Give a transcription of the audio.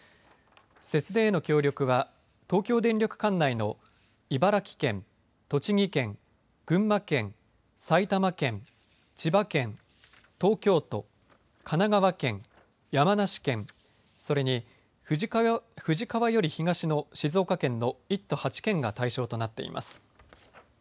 節電への協力は東京電力管内の茨城県、栃木県、群馬県、埼玉県、千葉県、東京都、神奈川県、山梨県、それに富士川より東の静岡県の１都８県が対象となっています。